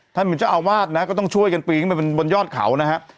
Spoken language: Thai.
ท่านมันจะเอาวาดนะฮะก็ต้องช่วยกันปีนไปบนยอดเขานะฮะ